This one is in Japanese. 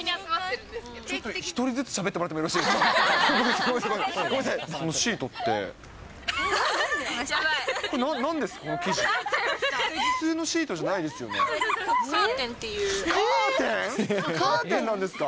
１人ずつしゃべってもらってもよろしいですか？